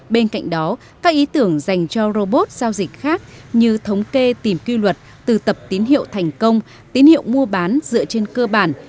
bên cạnh đó các ý tưởng dành cho robot giao dịch khác như thống kê tìm quy luật từ tập tín hiệu thành công tín hiệu mua bán dựa trên cơ bản